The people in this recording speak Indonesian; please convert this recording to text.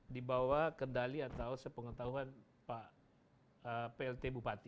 di bawah kendali atau sepengetahuan pak plt bupati